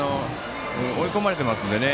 追い込まれていますんでね